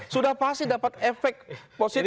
sudah pasti dapat efek positif